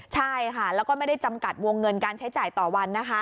ใช่ค่ะแล้วก็ไม่ได้จำกัดวงเงินการใช้จ่ายต่อวันนะคะ